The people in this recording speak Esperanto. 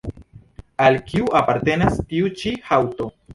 Al kiu apartenas tiu ĉi haŭto?